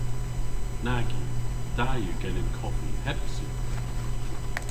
Nag yw. Da yw genen koffi heb sugra.